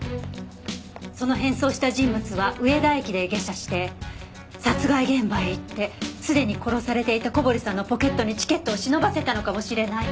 その変装した人物は上田駅で下車して殺害現場へ行ってすでに殺されていた小堀さんのポケットにチケットを忍ばせたのかもしれない。